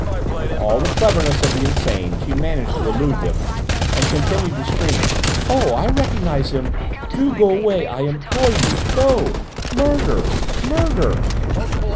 With all the cleverness of the insane she managed to elude them, and continued to scream. "Oh, I recognised him! Do go away, I implore you! Go! Murder! Murder!"